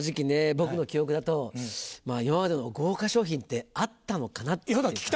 僕の記憶だと今までの豪華賞品ってあったのかなって。